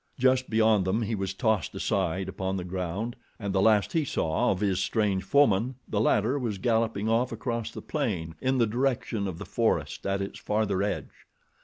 Just beyond them he was tossed aside upon the ground, and the last he saw of his strange foeman the latter was galloping off across the plain in the direction of the forest at its farther edge.